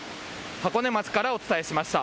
箱根町からお伝えしました。